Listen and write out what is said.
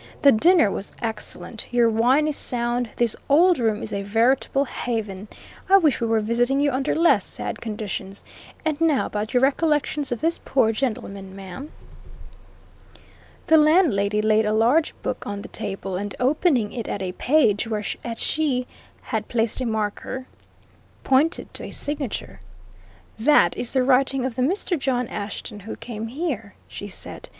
"The dinner was excellent; your wine is sound; this old room is a veritable haven! I wish we were visiting you under less sad conditions. And now about your recollections of this poor gentleman, ma'am?" The landlady laid a large book on the table, and opening it at a page where at she had placed a marker, pointed to a signature. "That is the writing of the Mr. John Ashton who came here," she said.